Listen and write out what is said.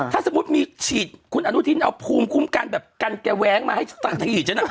ถ้าสมมุติมีฉีดคุณอนุทินเอาภูมิคุ้มกันแบบกันแกแว้งมาให้ทันทีฉันน่ะ